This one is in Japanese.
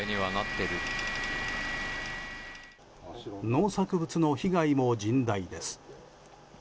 農作物の被害も甚大です。